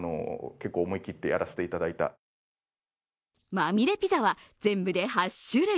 まみれピザは全部で８種類。